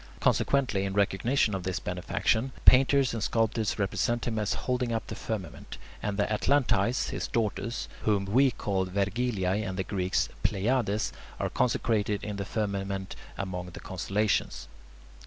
Consequently, in recognition of this benefaction, painters and sculptors represent him as holding up the firmament, and the Atlantides, his daughters, whom we call "Vergiliae" and the Greeks [Greek: Pleiades], are consecrated in the firmament among the constellations.